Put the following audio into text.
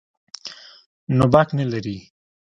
نو باک نه لري.